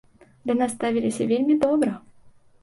Да нас ставіліся вельмі добра.